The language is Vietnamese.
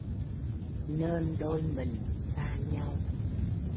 Nên đôi mình xa nhau